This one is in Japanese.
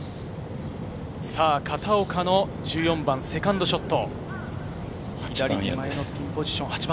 片岡の１４番、セカンドショット。